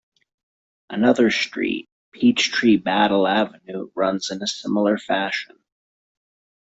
Another street, Peachtree Battle Avenue, runs in a similar fashion.